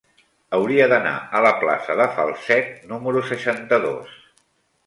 Hauria d'anar a la plaça de Falset número seixanta-dos.